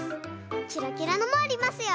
キラキラのもありますよ。